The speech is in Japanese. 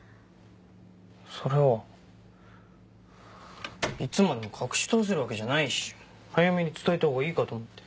それはいつまでも隠し通せるわけじゃないし早めに伝えた方がいいかと思って。